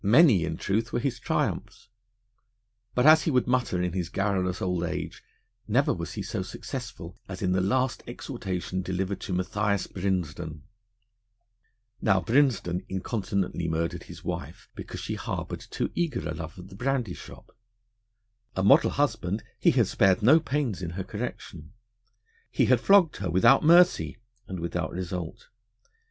Many, in truth, were his triumphs, but, as he would mutter in his garrulous old age, never was he so successful as in the last exhortation delivered to Matthias Brinsden. Now, Matthias Brinsden incontinently murdered his wife because she harboured too eager a love of the brandy shop. A model husband, he had spared no pains in her correction. He had flogged her without mercy and without result.